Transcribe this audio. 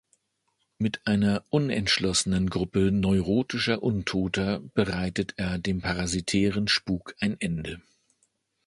Mit einer unentschlossenen Gruppe neurotischer Untoter bereitet er dem parasitären Spuk ein Ende.